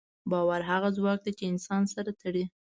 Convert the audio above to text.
باور هغه ځواک دی، چې انسانان سره تړي.